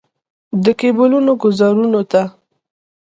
د کیبلونو ګوزارونو ته.